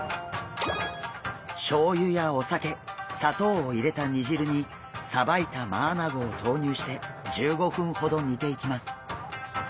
しょうゆやお酒砂糖を入れた煮汁にさばいたマアナゴをとうにゅうして１５分ほど煮ていきます。